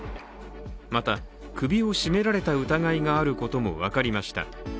また首を絞められた疑いがあることも分かりました。